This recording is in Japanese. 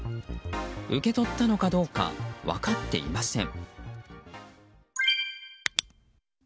受け取ったのかどうか分かっていません。